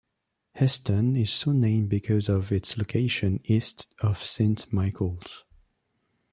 Easton is so named because of its location east of Saint Michaels.